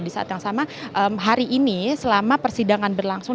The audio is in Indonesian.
disaat yang sama hari ini selama persidangan berlangsung